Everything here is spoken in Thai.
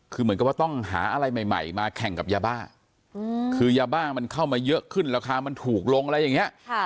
คือเหมือนกับว่าต้องหาอะไรใหม่มาแข่งกับยาบ้าคือยาบ้ามันเข้ามาเยอะขึ้นราคามันถูกลงอะไรอย่างนี้